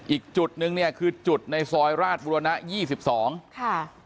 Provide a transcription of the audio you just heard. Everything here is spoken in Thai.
อีกจุดนึงเนี่ยคือจุดในซอยราชบุรณะยี่สิบสองค่ะ